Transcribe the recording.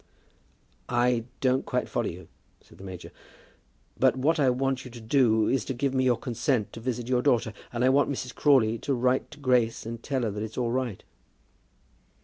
"I don't quite follow you," said the major. "But what I want you to do is to give me your consent to visit your daughter; and I want Mrs. Crawley to write to Grace and tell her that it's all right."